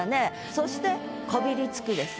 そして「こびりつく」ですね。